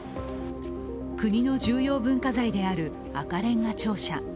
国の重要文化財である赤れんが庁舎。